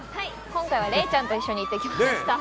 今回は礼ちゃんと一緒に行ってきました。